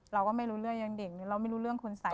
เราก็ไม่รู้เรื่องยังเด็กหรือเราไม่รู้เรื่องคนใส่